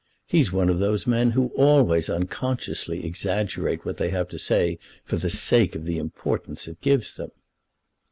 He's one of those men who always unconsciously exaggerate what they have to say for the sake of the importance it gives them."